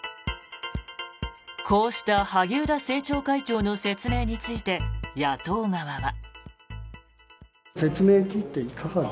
こうした萩生田政調会長の説明について、野党側は。